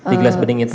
di gelas bening itu